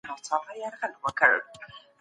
ټولنیز عدالت د لږکیو له حقونو پرته نیمګړی دی.